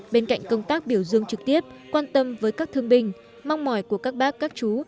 bên cạnh công tác biểu dương trực tiếp quan tâm với các thương binh mong mỏi của các bác các chú